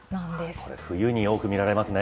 これ、冬に多く見られますね。